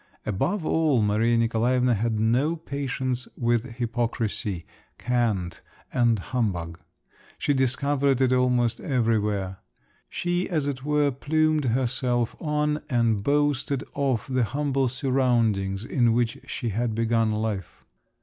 Above all, Maria Nikolaevna had no patience with hypocrisy, cant, and humbug. She discovered it almost everywhere. She, as it were, plumed herself on and boasted of the humble surroundings in which she had begun life.